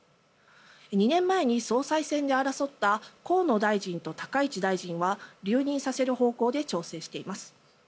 ２年前に総裁選で争った河野大臣と高市大臣は留任させる方向で調整しています。